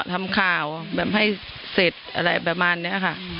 ทำข่าวแบบให้เสร็จอะไรประมาณนี้ค่ะ